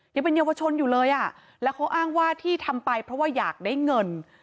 ยังเป็นเยาวชนอยู่เลยอ่ะแล้วเขาอ้างว่าที่ทำไปเพราะว่าอยากได้เงิน